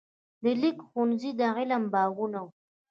د لیک ښوونځي د علم باغونه وو.